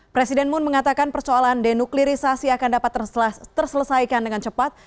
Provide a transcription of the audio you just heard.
presiden moon mengatakan persoalan denuklirisasi akan dapat terselesaikan dengan cepat